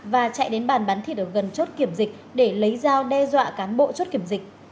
và chạy đến bàn bắn thịt ở gần chốt kiểm dịch để lấy dao đe dọa cán bộ chốt kiểm dịch